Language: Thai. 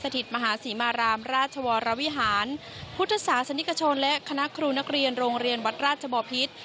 ทุกคนค่ะคณะครูนักเรียนโรงเรียนวัดราชบภิษฐ์